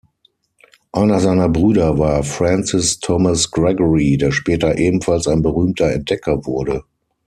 Einer seiner Brüder war Francis Thomas Gregory, der später ebenfalls ein berühmter Entdecker wurde.